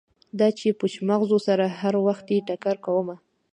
دا چې پوچ مغزو سره هروختې ټکر کومه